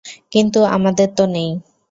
কিন্তু আমাদের তো নেই।